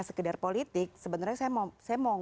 sekedar politik sebenarnya saya mau